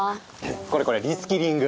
これこれリスキリング！